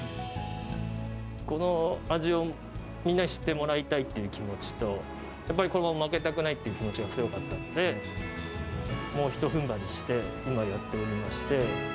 この味をみんなに知ってもらいたいっていう気持ちと、やっぱりこのまま負けたくないっていう気持ちが強かったので、もうひとぶんばりし今やっておりまして。